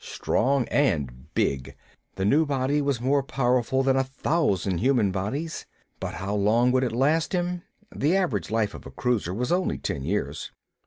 Strong and big. The new body was more powerful than a thousand human bodies. But how long would it last him? The average life of a cruiser was only ten years.